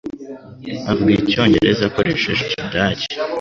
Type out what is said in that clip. Avuga Icyongereza akoresheje Ikidage.